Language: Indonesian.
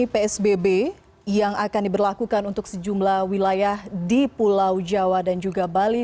psbb yang akan diberlakukan untuk sejumlah wilayah di pulau jawa dan juga bali